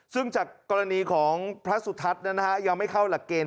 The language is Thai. ซึ่งจากกรณีของพระสุทัศน์ยังไม่เข้าหลักเกณ